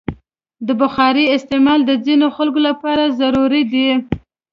د بخارۍ استعمال د ځینو خلکو لپاره ضروري دی.